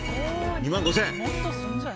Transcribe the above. ２万５０００円。